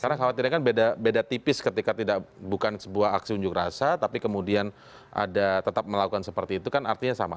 karena kalau tidak kan beda tipis ketika bukan sebuah aksi unjuk rasa tapi kemudian tetap melakukan seperti itu kan artinya sama